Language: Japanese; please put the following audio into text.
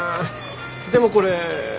でもこれ。